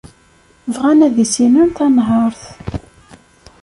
Bɣan ad issinen tanhart.